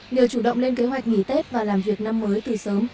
nhờ chủ động lên kế hoạch nghỉ tết và làm việc năm mới từ sớm